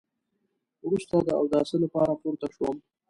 وروسته د اوداسه لپاره پورته شوم.